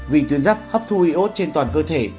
vì tuyến rắc hấp thu iốt trên toàn cơ thể